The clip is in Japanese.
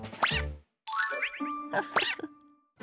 フフフ。